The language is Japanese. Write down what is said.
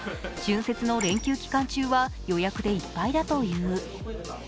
春節の連休期間中は予約でいっぱいだという。